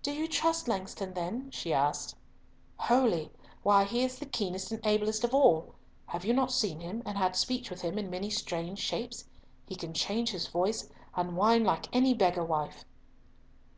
"Do you trust Langston then?" she asked. "Wholly! Why, he is the keenest and ablest of all. Have you not seen him and had speech with him in many strange shapes? He can change his voice, and whine like any beggar wife."